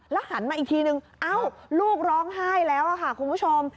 หันมาอีกทีนึงเอ้าลูกร้องไห้แล้วค่ะคุณผู้ชม